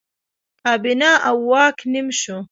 کابینه او واک نیم شو.